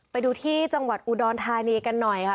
ไปดูที่จังหวัดอุดรธานีกันหน่อยค่ะ